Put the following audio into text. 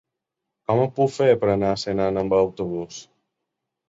Com ho puc fer per anar a Senan amb autobús?